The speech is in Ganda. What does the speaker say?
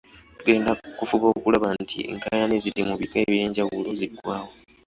Tugenda kufuba okulaba nti enkaayana eziri mu bika eby'enjawulo ziggwawo.